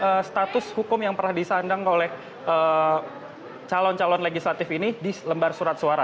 apa status hukum yang pernah disandang oleh calon calon legislatif ini di lembar surat suara